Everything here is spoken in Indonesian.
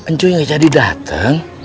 ncu tidak jadi datang